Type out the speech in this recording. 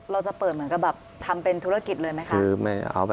เราจะเปิดเหมือนกับแบบทำเป็นธุรกิจเลยไหมคะ